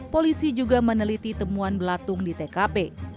polisi juga meneliti temuan belatung di tkp